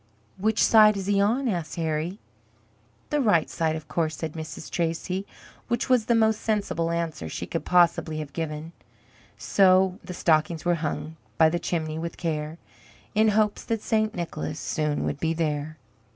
"Which side is he on?" asked Harry. "The right side, of course," said Mrs. Tracy, which was the most sensible answer she could possibly have given. So: "The stockings were hung by the chimney with care, In hopes that St. Nicholas soon would be there."